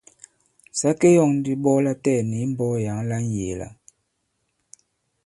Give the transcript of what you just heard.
Sa ke yɔ᷇ŋ ndi ɓɔ latɛɛ̀ni i mbɔk yǎŋ la ŋyēe-la.